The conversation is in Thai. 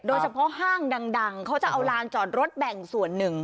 โดยเฉพาะห้างดังเขาจะเอาร้านจอดรถแบ่งส่วนหนึ่ง